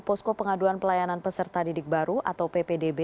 posko pengaduan pelayanan peserta didik baru atau ppdb